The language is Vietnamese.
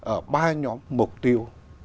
ở ba nhóm mục tiêu